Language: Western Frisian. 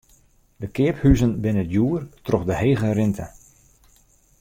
De keaphuzen binne djoer troch de hege rinte.